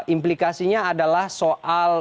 implikasinya adalah soal